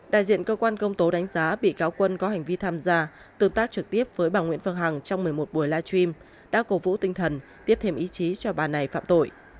đại diện cơ quan công tố đánh giá bị cáo quân có hành vi tham gia tương tác trực tiếp với bà nguyễn phương hằng trong một mươi một buổi live stream đã cổ vũ tinh thần tiếp thêm ý chí cho bà này phạm tội